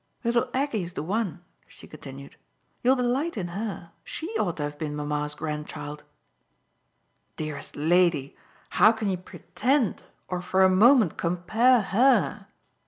Little Aggie's the one," she continued; "you'll delight in her; SHE ought to have been mamma's grandchild." "Dearest lady, how can you pretend or for a moment compare her